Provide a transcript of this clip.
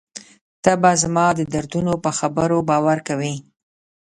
ته به زما د دردونو په خبرو باور کوې.